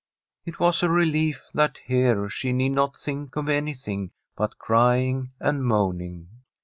It was a relief that here she need not think of anything but crying and moaning.